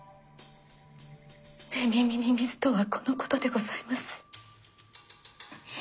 寝耳に水とはこのことでございます。